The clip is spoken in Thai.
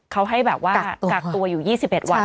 เขาให้แบบว่ากักตัวอยู่๒๑วัน